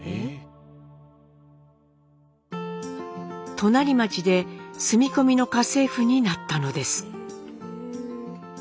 隣町で住み込みの家政婦になったのです。